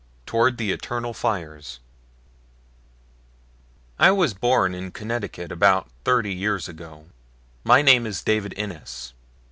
I TOWARD THE ETERNAL FIRES I WAS BORN IN CONNECTICUT ABOUT THIRTY YEARS ago. My name is David Innes.